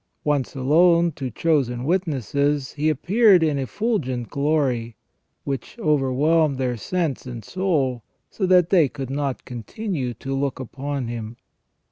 Once alone, to chosen witnesses. He appeared in effulgent glory, which over whelmed their sense and soul, so that they could not continue to look upon Him.